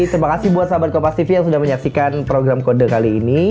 terima kasih buat sahabat kopas tv yang sudah menyaksikan program kode kali ini